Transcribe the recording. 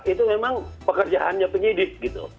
itu memang pekerjaannya penyedih